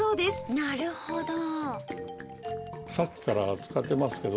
なるほど。